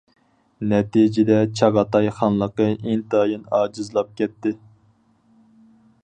نەتىجىدە چاغاتاي خانلىقى ئىنتايىن ئاجىزلاپ كەتتى.